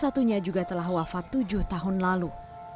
satunya juga telah wafat tujuh tahun lalu